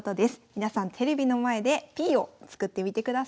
皆さんテレビの前でＰを作ってみてください。